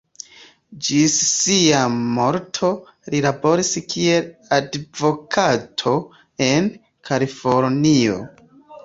Ĝis sia morto, li laboris kiel advokato en Kalifornio.